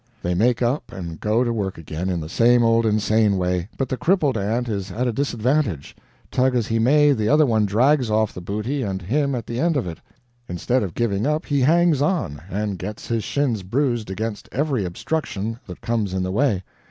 They make up and go to work again in the same old insane way, but the crippled ant is at a disadvantage; tug as he may, the other one drags off the booty and him at the end of it. Instead of giving up, he hangs on, and gets his shins bruised against every obstruction that comes in the way.